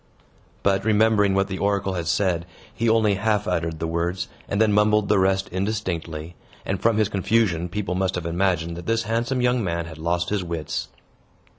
But, remembering what the oracle had said, he only half uttered the words, and then mumbled the rest indistinctly; and from his confusion, people must have imagined that this handsome young man had lost his wits.